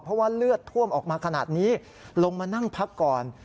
เพราะว่าเลือดท่วมออกมาขนาดนี้ลงมานั่งพักก่อน